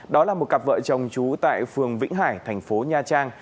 đó là một cặp vợ chồng trú tại phường vĩnh hải thành phố nha trang